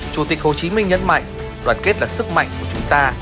chủ tịch hồ chí minh nhấn mạnh đoàn kết là sức mạnh của chúng ta